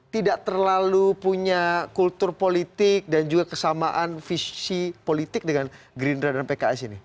tidak terlalu punya kultur politik dan juga kesamaan visi politik dengan gerindra dan pks ini